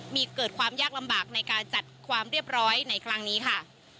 มีเกิดความยากลำบากในการจัดความเรียบร้อยในครั้งนี้ค่ะ